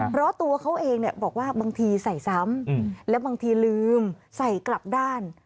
เพราะตัวเขาเองบอกว่าบางทีใส่ซ้ำและบางทีลืมใส่กลับด้าน